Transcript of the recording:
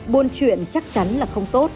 buôn chuyện chắc chắn là không tốt